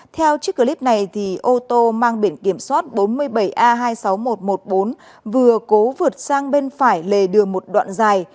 theo clip này ô tô mang biển kiểm soát bốn mươi bảy a hai mươi sáu nghìn một trăm một mươi bốn vừa cố vượt sang bên phải lề đường một đoạn dài